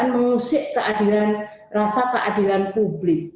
mengusik keadilan rasa keadilan publik